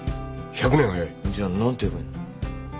じゃあ何て言えばいいの？